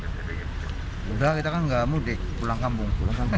sudah kita kan nggak mudik pulang kampung